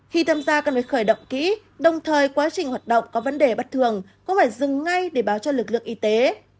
khi tham gia cần phải khởi động kỹ đồng thời quá trình hoạt động có vấn đề bất thường cũng phải dừng ngay để báo cho lực lượng y tế